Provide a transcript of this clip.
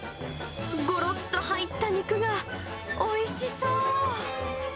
ごろっと入った肉がおいしそう。